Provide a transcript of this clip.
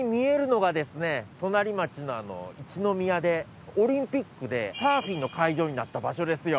そしてオリンピックでサーフィンの会場になった場所ですよ。